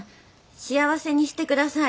幸せにして下さい。